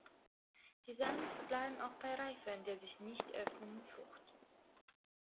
Die Samen verbleiben auch bei Reife in der sich nicht öffnenden Frucht.